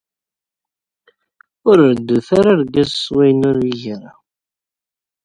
Ur reddut ara argaz s wayen ur igi ara.